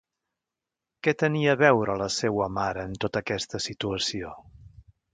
Què tenia a veure la seua mare en tota aquesta situació?